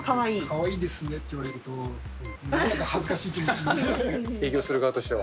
かわいいですねって言われると、なんか恥ずかしい気持ちにな営業する側としては。